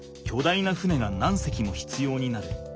いな船が何隻も必要になる。